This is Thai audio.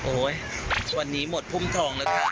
โอ๊ยวันนี้หมดภูมิทองแล้วค่ะ